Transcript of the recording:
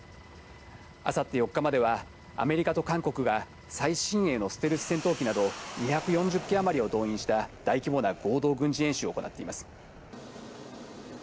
明後日４日まではアメリカと韓国が最新鋭のステルス戦闘機など２４０機あまりを動員した大規模な合同軍事演習を行っています。